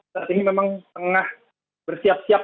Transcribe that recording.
saat ini memang tengah bersiap siap